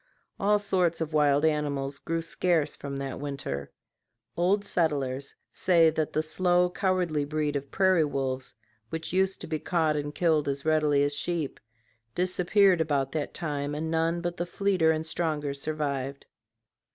All sorts of wild animals grew scarce from that winter. Old settlers say that the slow cowardly breed of prairie wolves, which used to be caught and killed as readily as sheep, disappeared about that time and none but the fleeter and stronger survived.